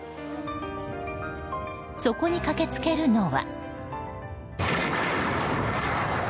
そこに駆けつけるのは。